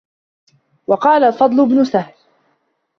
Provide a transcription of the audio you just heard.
وَقَالَ الْفَضْلُ بْنُ سَهْلٍ